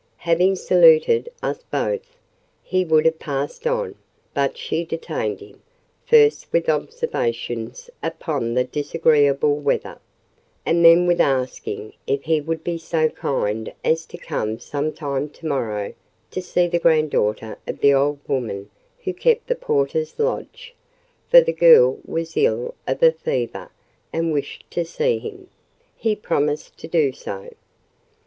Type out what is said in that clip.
Having saluted us both, he would have passed on, but she detained him; first with observations upon the disagreeable weather, and then with asking if he would be so kind as to come some time to morrow to see the granddaughter of the old woman who kept the porter's lodge, for the girl was ill of a fever, and wished to see him. He promised to do so.